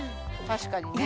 確かにね